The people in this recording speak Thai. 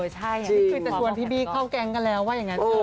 นี่คือจะชวนพี่บี้เข้าแก๊งกันแล้วว่าอย่างนั้น